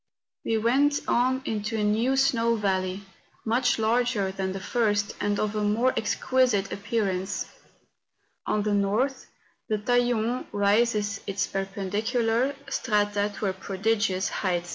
We went on into a new snow valley, much larger than the first, and of a more exquisite appearance. On the north, the Taillon raises its perpendicular 124 MOUNTAIN ADVENTURES. strata to a prodigious height.